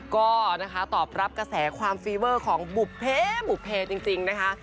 ก็นะคะตอบรับกระแสความฟีเวอร์ของบุเพบุเพจริงนะคะ